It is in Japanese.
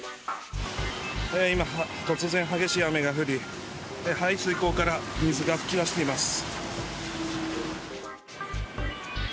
今、突然激しい雨が降り排水溝から水が噴き出しています。